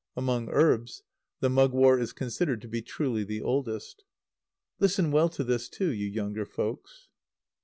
Among herbs, the mugwort is considered to be truly the oldest. Listen well to this, too, you younger folks!